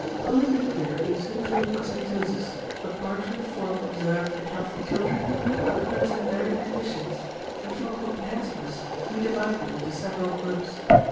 Polynuclear eosinophil leucocytosis, apart from the form observed in healthy children, occurs in varied conditions, and for comprehensiveness we divide them into several groups.